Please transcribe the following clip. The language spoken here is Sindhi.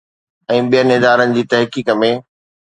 ۽ ٻين ادارن جي تحقيق ۾